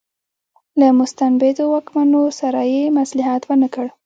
له مستبدو واکمنو سره یې مصلحت ونکړ.